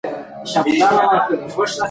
موږ به تر راتلونکي کاله دا کتاب لوستلی وي.